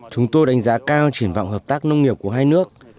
chúng tôi đánh giá cao triển vọng hợp tác nông nghiệp của hai nước